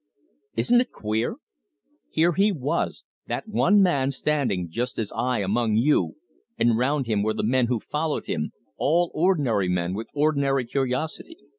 Isn't it queer? Here he was that one man standing just as I am among you, and round him were the men who followed him, all ordinary men, with ordinary curiosity.